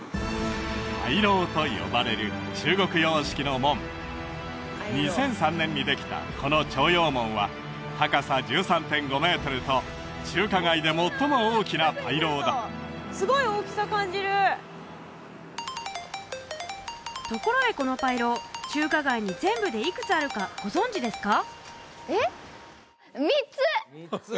牌楼と呼ばれる中国様式の門２００３年にできたこの朝陽門は高さ１３．５メートルと中華街で最も大きな牌楼だすごい大きさ感じるところでこの牌楼中華街に全部でいくつあるかご存じですか？